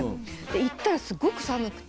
行ったらすごく寒くて。